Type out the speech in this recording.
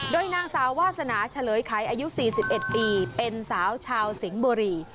โดยนางสาววาสนาเฉลยไขอายุ๔๑ปีเป็นสาวชาวสิงห์บุรี